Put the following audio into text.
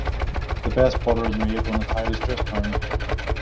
The best butter is made when the tide has just turned.